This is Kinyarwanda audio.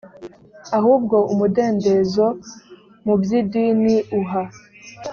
ahubwo umudendezo mu by idini uha